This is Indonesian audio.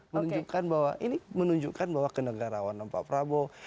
menunjukkan bahwa ini menunjukkan bahwa kenegarawanan pak prabowo